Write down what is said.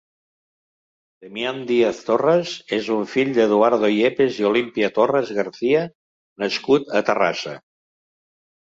Demian Díaz Torres és un fill d'Eduardo Yepes i Olimpia Torres Garcia nascut a Terrassa.